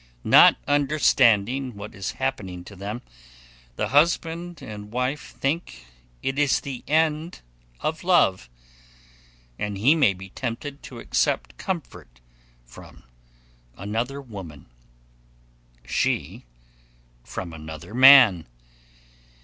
Not understanding what is happening to them, the husband and wife think it is the end of love, and he may be tempted to accept comfort from another woman, she from another man.